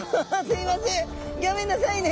すいません。